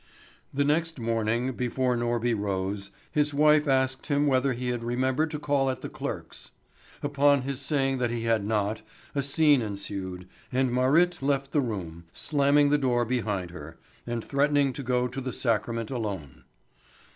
The next morning, before Norby rose, his wife asked him whether he had remembered to call at the clerk's. Upon his saying that he had not, a scene ensued, and Marit left the room, slamming the door behind her, and threatening to go to the sacrament alone.